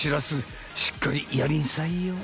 しっかりやりんさいよ！